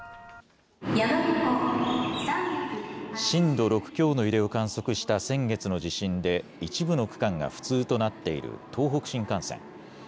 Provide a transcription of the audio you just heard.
震度６強の揺れを観測した先月の地震で、一部の区間が不通となっている東北新幹線。